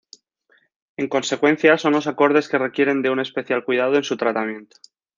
En consecuencia, son los acordes que requieren de un especial cuidado en su tratamiento.